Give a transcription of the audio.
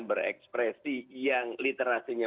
berekspresi yang literasinya